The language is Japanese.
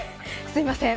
すみません。